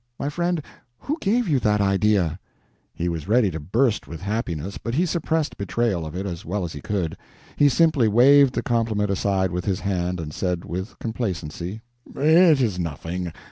My friend, who gave you that idea?" He was ready to burst with happiness, but he suppressed betrayal of it as well as he could. He simply waved the compliment aside with his hand and said, with complacency: "It is nothing.